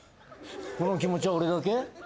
この気持ちは俺だけ？